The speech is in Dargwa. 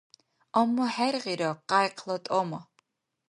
Амма хӀергъира къяйкла тӀама.